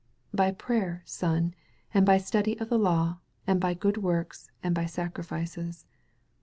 ''By prayer, son, and by study of the law, and by good works, and by sacrifices.'